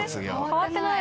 変わってない。